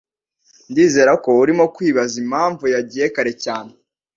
Ndizera ko urimo kwibaza impamvu yagiye kare cyane.